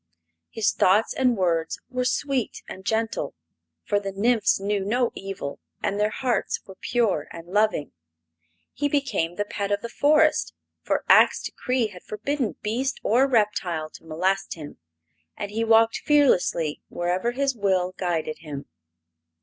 His thoughts and words were sweet and gentle, for the nymphs knew no evil and their hearts were pure and loving. He became the pet of the forest, for Ak's decree had forbidden beast or reptile to molest him, and he walked fearlessly wherever his will guided him.